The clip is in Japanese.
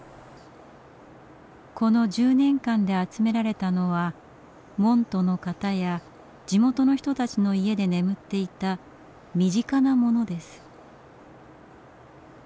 この１０年間で集められたのは門徒の方や地元の人たちの家で眠っていた身近なものです。